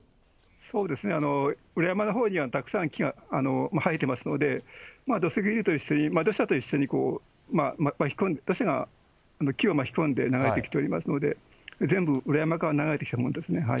そうですね、裏山のほうにはたくさん木が生えてますので、土石流と一緒に、土砂と一緒に、土砂が木を巻き込んで流れてきておりますので、全部裏山から流れてきたものですね。